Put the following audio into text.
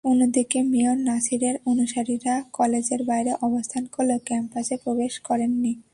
অন্যদিকে মেয়র নাছিরের অনুসারীরা কলেজের বাইরে অবস্থান করলেও ক্যাম্পাসে প্রবেশ করেননি।